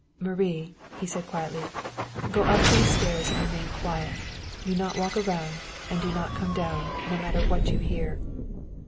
"Marie," he said quietly, "go up these stairs and remain quiet. Do not walk round. And do not come down, no matter what you hear!"